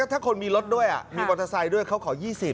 ถ้าคนมีรถด้วยมีมอเตอร์ไซค์ด้วยเขาขอ๒๐